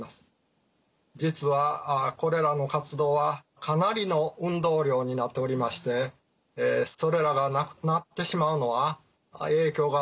実はこれらの活動はかなりの運動量になっておりましてそれらがなくなってしまうのは影響が大きいんです。